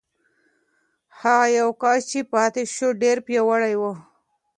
هغه یو کس چې پاتې شو، ډېر پیاوړی و.